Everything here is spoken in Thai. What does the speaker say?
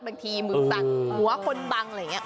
บางทีมึงตังหัวคนบังอะไรอย่างนี้